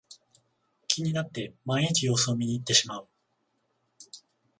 気になって毎日様子を見にいってしまう